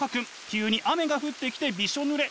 急に雨が降ってきてびしょぬれ。